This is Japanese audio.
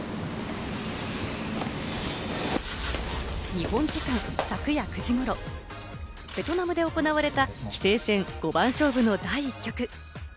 日本時間、昨夜９時頃、ベトナムで行われた棋聖戦五番勝負の第１局。